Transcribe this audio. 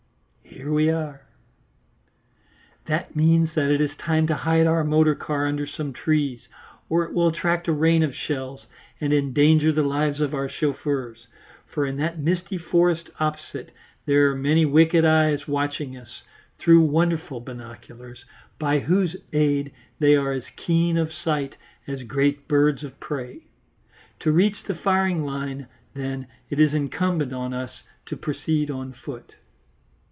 "Here we are." That means that it is time to hide our motor car under some trees or it will attract a rain of shells and endanger the lives of our chauffeurs, for in that misty forest opposite there are many wicked eyes watching us through wonderful binoculars, by whose aid they are as keen of sight as great birds of prey. To reach the firing line, then, it is incumbent on us to proceed on foot.